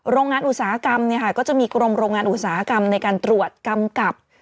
รงงานอุตสาหกรรมก็จะมีกรมในการตรวจกำกับ